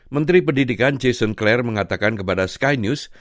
menteri pendidikan jason clare mengatakan kepada sky news